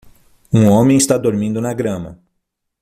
Um homem está dormindo na grama.